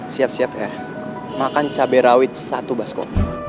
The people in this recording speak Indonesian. siap siap ya makan cabai rawit satu baskop